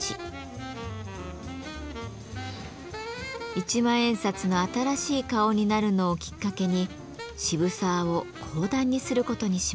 一万円札の新しい顔になるのをきっかけに渋沢を講談にすることにしました。